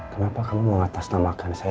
kenapa kamu mengatasnamakan saya